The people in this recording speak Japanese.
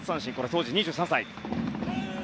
当時２３歳。